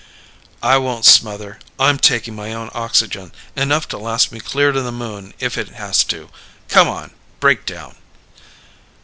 "I won't smother. I'm taking my own oxygen. Enough to last me clear to the Moon if it has to. Come on. Break down!"